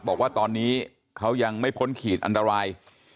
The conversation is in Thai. บอกว่าตอนนี้เขายังไม่พ้นขีดอันตราย